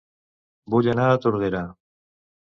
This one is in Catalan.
Vull anar a Tordera